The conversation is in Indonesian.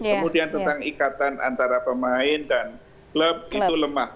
kemudian tentang ikatan antara pemain dan klub itu lemah